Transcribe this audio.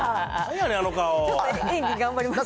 演技頑張りました。